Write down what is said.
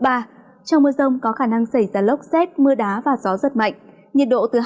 trong mưa rông có khả năng xảy ra lốc xét mưa đá và gió rất mạnh nhiệt độ từ hai mươi năm đến ba mươi hai độ